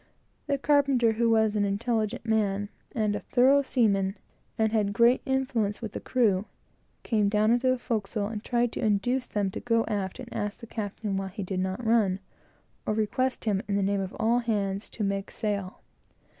The carpenter, who was an intelligent man, and a thorough seaman, and had great influence with the crew, came down into the forecastle, and tried to induce the crew to go aft and ask the captain why he did not run, or request him, in the name of all hands, to make sail.